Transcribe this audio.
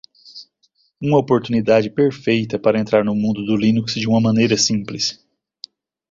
Uma oportunidade perfeita para entrar no mundo do Linux de uma maneira simples.